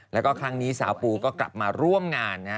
แล้วก็ครั้งนี้สาวปูก็กลับมาร่วมงานนะฮะ